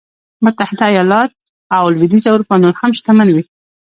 متحده ایالت او لوېدیځه اروپا نور هم شتمن وي.